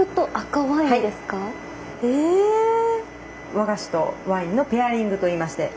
和菓子とワインのペアリングといいまして。